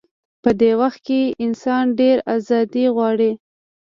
په دې وخت کې انسان ډېره ازادي غواړي.